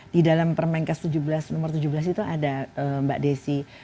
di dalam permenkes tujuh belas nomor tujuh belas itu ada mbak desi